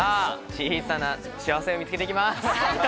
小さな幸せを見つけていきます。